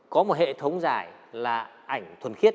có một hệ thống giải là ảnh thuần khiết